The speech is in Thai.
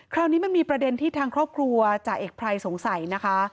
คราวนี้มันมีประเด็นที่ทางครอบครัวจ่าเอกไพรสงสัยนะคะ